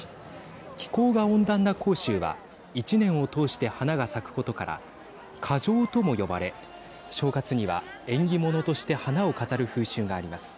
気候が温暖な広州は１年を通して花が咲くことから花城とも呼ばれ正月には縁起物として花を飾る風習があります。